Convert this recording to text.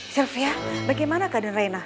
sylvia bagaimana keadaan reyna